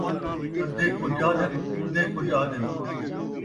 ادھے کجھ آہدن، ادھے کجھ آہدن